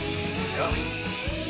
よし。